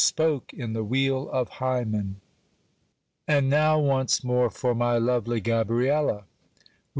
A spoke in the wheel of \ And now once more for my lovely Gabriela!